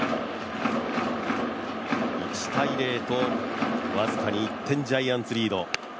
１−０と、僅かに１点、ジャイアンツリード。